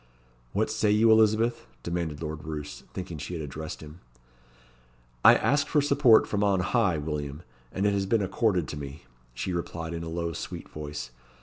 "What say you, Elizabeth?" demanded Lord Roos, thinking she had addressed him. "I asked for support from on High, William, and it has been accorded to me," she replied in a low sweet voice.